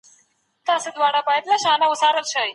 د ديدن تږي خبر دي چي تر ښکلو